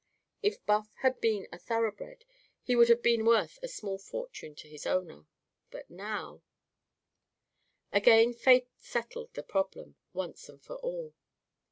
If Buff had been a thoroughbred he would have been worth a small fortune to his owner. But now Again fate settled the problem once and for all.